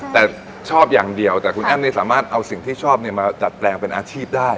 แต่ชอบอย่างเดียวแต่คุณแอ้นนี่สามารถเอาสิ่งที่ชอบมาจัดแปลงเป็นอาชีพได้